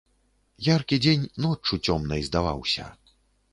Яркі дзень ноччу цёмнай здаваўся.